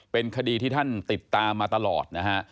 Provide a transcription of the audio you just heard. เป็นคดีที่ท่านติดตามมาตลอดนะฮะ